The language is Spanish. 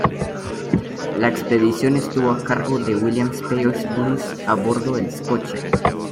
La expedición estuvo a cargo de William Speirs Bruce a bordo del "Scotia".